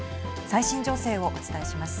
最新情勢をお伝えします。